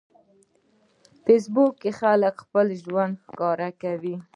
په فېسبوک کې خلک خپل ژوند ښکاره کوي.